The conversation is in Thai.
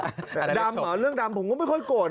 ระดับแบบดำเหรอเรื่องดำผมก็ไม่ค่อยโกรธนะ